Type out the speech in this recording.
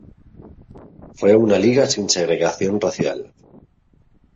Fue una liga sin segregación racial.